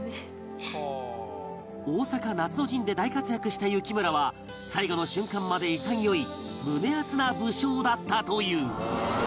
大坂夏の陣で大活躍した幸村は最後の瞬間まで潔い胸アツな武将だったという